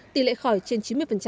tỷ lệ khỏi trên chín mươi